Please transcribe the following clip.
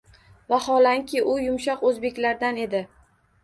Vaholanki, u “yumshoq” oʻzbeklardan edi.